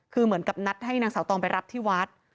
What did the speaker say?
คือเหมือนกับนัดให้นางสาวตองไปรับที่วัด